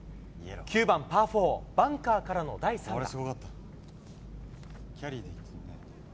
９番パー４、バンカーからの第３打。